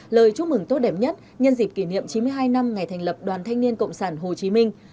lời chúc mừng tốt đẹp nhất nhân dịp kỷ niệm chín mươi hai năm ngày thành lập đoàn thanh niên cộng sản hồ chí minh